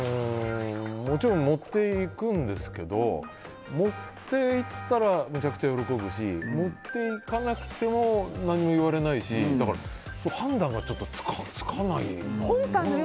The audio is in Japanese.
もちろん持っていくんですけど持って行ったらめちゃくちゃ喜ぶし持っていかなくても何も言われないし判断がつかないかな。